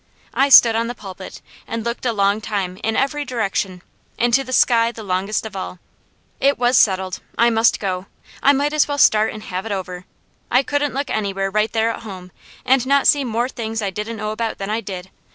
I stood on the pulpit and looked a long time in every direction, into the sky the longest of all. It was settled. I must go; I might as well start and have it over. I couldn't look anywhere, right there at home, and not see more things I didn't know about than I did.